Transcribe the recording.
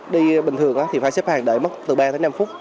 đi bình thường thì phải xếp hàng đợi mất từ ba tới năm phút